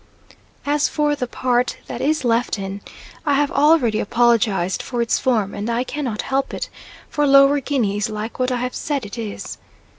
As for the part that is left in, I have already apologised for its form, and I cannot help it, for Lower Guinea is like what I have said it is.